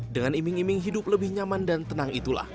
dengan iming iming hidup lebih nyaman dan tenang itulah